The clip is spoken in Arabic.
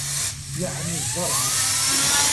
يَعْنِي الزَّرْعَ